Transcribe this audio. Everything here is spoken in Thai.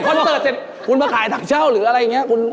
เสิร์ตเสร็จคุณมาขายถังเช่าหรืออะไรอย่างนี้